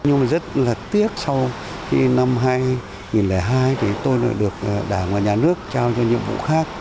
nhưng mà rất là tiếc sau khi năm hai nghìn hai thì tôi lại được đảng và nhà nước trao cho nhiệm vụ khác